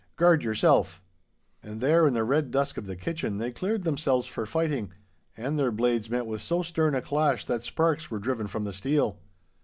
Guard yourself!' And there in the red dusk of the kitchen they cleared themselves for fighting, and their blades met with so stern a clash that sparks were driven from the steel.